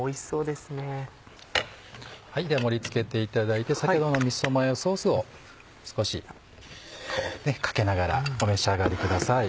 では盛り付けていただいて先ほどのみそマヨソースを少しかけながらお召し上がりください。